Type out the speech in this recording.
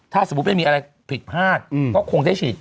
ถ้าสมมุติไม่มีอะไรผิดพลาดก็คงได้ฉีด